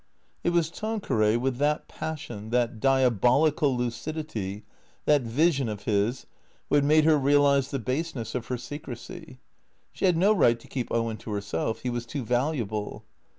It was Tanqueray, with that passion, that diabolical lucidity, that vision of his, who had made her realize the baseness of her secrecy. She had no right to keep Owen to herself. He was too valuable.